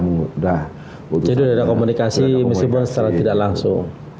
jadi udah ada komunikasi meskipun secara tidak langsung